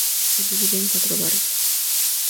Se divide en cuatro barrios.